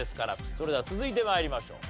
それでは続いて参りましょう。